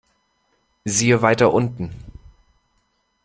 Siehe weiter unten.